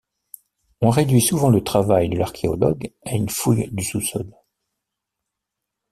On réduit souvent le travail de l'archéologue à une fouille du sous-sol.